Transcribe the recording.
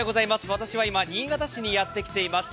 私は今、新潟市にやってきています